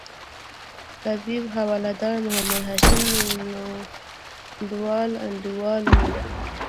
حبیب حوالدار د محمد هاشم میوندوال انډیوال وو.